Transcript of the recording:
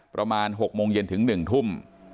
ประมาณ๖โมงเย็นถึง๑ทุ่ม